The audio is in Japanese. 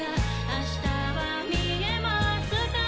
明日は見えますか？